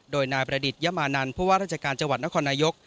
โดยนายประดิษฐยมานันผู้ว่าราชการจังหวัดนครนายก